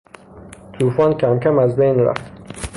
توفان کمکم از بین رفت.